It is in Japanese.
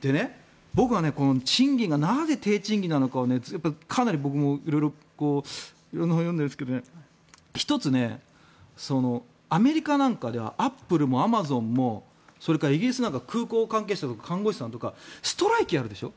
でね、僕はこの賃金がなぜ低賃金なのかをかなり僕も色んな本を読んでるんですが１つアメリカなんかではアップルもアマゾンもそれからイギリスなんかは空港関係者と看護師さんとかストライキやるでしょ。